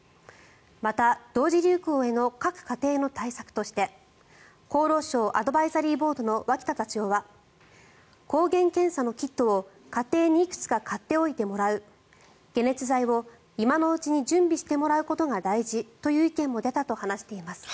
また、同時流行への各家庭の対策として厚労省アドバイザリーボードの脇田座長は抗原検査のキットを、家庭にいくつか買っておいてもらう解熱剤を今のうちに準備してもらうことが大事という意見も出たと話しています。